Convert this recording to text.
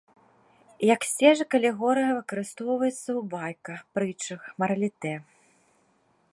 Як сцежак алегорыя выкарыстоўваецца ў байка, прытчах, маралітэ.